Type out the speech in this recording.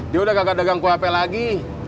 dia udah kagak dagang kuhp lagi